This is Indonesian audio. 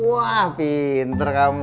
wah pinter kamu